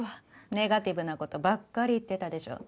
ネガティブな事ばっかり言ってたでしょ？